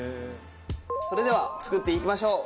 それでは作っていきましょう。